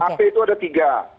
hp itu ada tiga